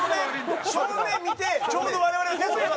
正面見てちょうど我々が徹子さんと。